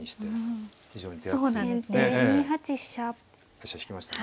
飛車引きましたね。